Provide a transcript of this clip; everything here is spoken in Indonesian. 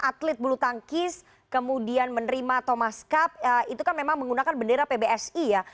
atlet bulu tangkis kemudian menerima thomas cup itu kan memang menggunakan bendera pbsi ya